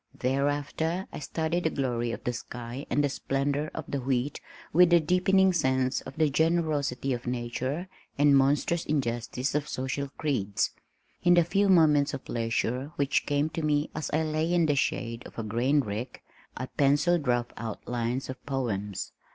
Thereafter I studied the glory of the sky and the splendor of the wheat with a deepening sense of the generosity of nature and monstrous injustice of social creeds. In the few moments of leisure which came to me as I lay in the shade of a grain rick, I pencilled rough outlines of poems.